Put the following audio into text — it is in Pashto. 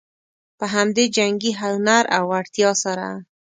په همدې جنګي هنر او وړتیا سره.